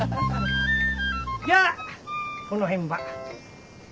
じゃあこの辺ば頼んて。